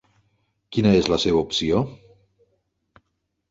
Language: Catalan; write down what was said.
Quina és la seva opció?